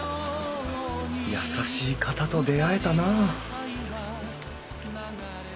優しい方と出会えたな